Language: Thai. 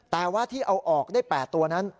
แต่ว่าที่เอาออกได้๘ตัวนั้น